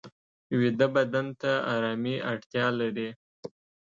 ویده بدن ته آرامي اړتیا لري